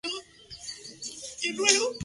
Sus letras eran a veces irónicas, a veces absurdas.